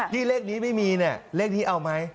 เลขนี้ไม่มีเนี่ยเลขนี้เอาไหม